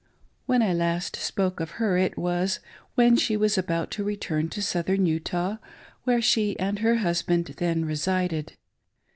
When I last spoke of her it was when she was about tb return to Southern Utah, where she and her hus band then resided.